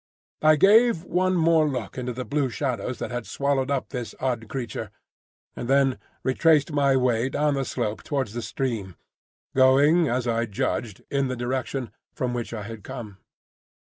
I gave one more look into the blue shadows that had swallowed up this odd creature, and then retraced my way down the slope towards the stream, going as I judged in the direction from which I had come.